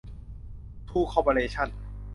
ทรู คอร์ปอเรชั่น